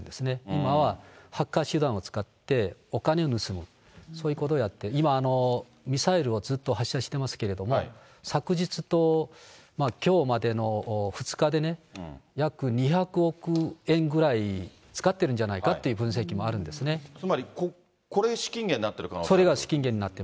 今はハッカー集団を使ってお金を盗む、そういうことをやって、今、ミサイルをずっと発射してますけれども、昨日ときょうまでの２日でね、約２００億円ぐらい使ってるんじゃないかという分析もあるんですつまり、これ資金源になってる可能性がある？